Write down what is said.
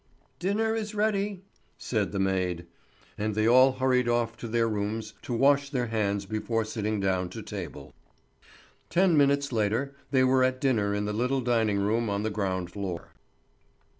"Dinner is ready," said the maid. And they all hurried off to their rooms to wash their hands before sitting down to table. Ten minutes later they were at dinner in the little dining room on the ground floor.